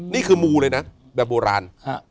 นี่คือมูเลยนะแบบโบราณ